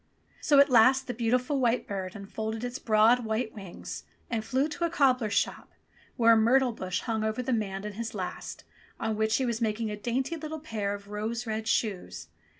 So at last the beautiful white bird unfolded its broad white wings and flew to a cobbler's shop where a myrtle bush hung over the man and his last, on which he was mak ing a dainty little pair of rose red shoes.